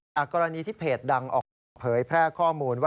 อยากรณีที่เพจดังออกเปิยแผลข้อมูลว่า